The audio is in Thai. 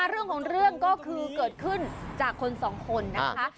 เรื่องของเรื่องก็คือเกิดขึ้นจากคนสองคนนะคะ